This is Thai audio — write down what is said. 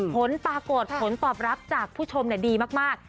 ผลปรากฏผลตอบรับจากผู้ชมดีมาก